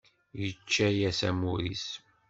Yečča-yas amur-is.